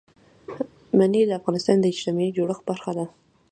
منی د افغانستان د اجتماعي جوړښت برخه ده.